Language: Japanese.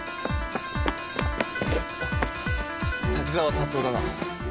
滝沢達生だな。